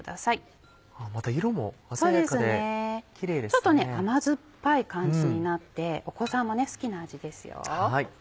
ちょっと甘酸っぱい感じになってお子さんも好きな味ですよ。